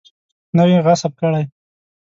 نه وي غصب کړی.